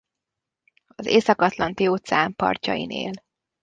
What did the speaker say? Az Északi-Atlanti-óceán partjain él.